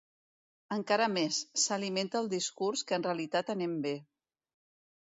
Encara més, s’alimenta el discurs que en realitat anem bé.